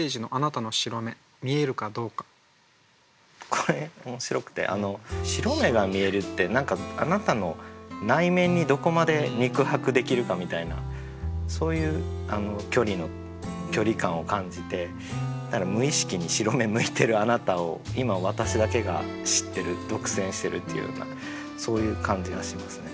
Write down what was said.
これ面白くて「白目が見える」ってあなたの内面にどこまで肉薄できるかみたいなそういう距離感を感じて無意識に白目むいてるあなたを今私だけが知ってる独占してるっていうようなそういう感じがしますね。